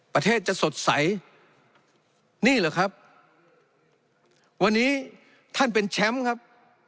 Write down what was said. ประเทศจะสดใสนี่เหรอครับวันนี้ท่านเป็นแชมป์ครับ